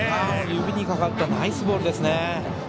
指にかかったナイスボールですね。